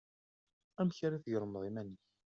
Amek ara d-tgelmeḍ iman-ik?